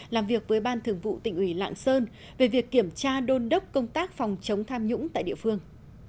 làm việc với ban thường vụ tỉnh ủy lạng sơn về việc kiểm tra đôn đốc công tác phòng chống tham nhũng tại địa phương